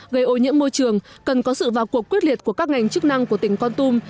gây ô nhiễm môi trường cần có sự vào cuộc quyết liệt của các ngành chức năng của tỉnh con tum